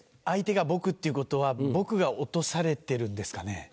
相手が僕っていうことは僕が落とされてるんですかね？